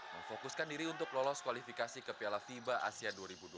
memfokuskan diri untuk lolos kualifikasi ke piala fiba asia dua ribu dua puluh